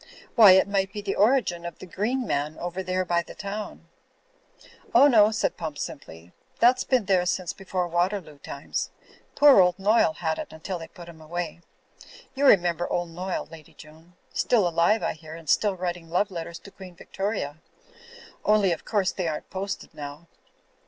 Why, it might be the origin of the 'Green Man' over there by the town/' "Oh, no," said Pump, skiply, "that's been there since before Waterloo time^. Poor old Noyle had it until they put him away. You remember old Noyle, Lady Joan. Still alive, I hear, and still writing love letters to Queen Victoria. Only of course they aren't posted now."